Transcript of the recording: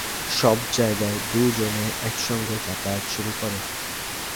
সব জায়গায় দু’জনে একসঙ্গে যাতায়াত শুরু করে।